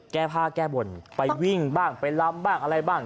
แก้ผ้าแก้บนไปวิ่งบ้างไปลำบ้างอะไรบ้าง